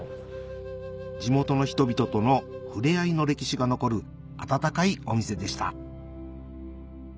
地元の人々との触れ合いの歴史が残る温かいお店でした